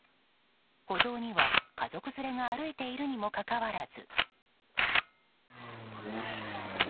歩道には家族連れが歩いているにもかかわらず。